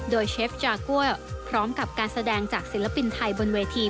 โดยเชฟจากัวพร้อมกับการแสดงจากศิลปินไทยบนเวที